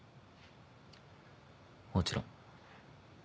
もちろん。